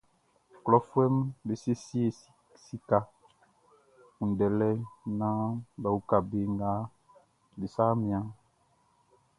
Klɔfuɛʼm be siesie sika kunndɛlɛ naan bʼa uka be nga be sa mianʼn.